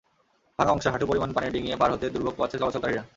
ভাঙা অংশের হাঁটু পরিমাণ পানি ডিঙিয়ে পার হতে দুর্ভোগ পোহাচ্ছে চলাচলকারীরা।